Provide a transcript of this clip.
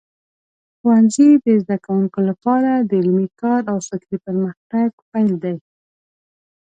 ښوونځی د زده کوونکو لپاره د علمي کار او فکري پرمختګ پیل دی.